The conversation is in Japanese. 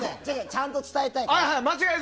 ちゃんと伝えたいの。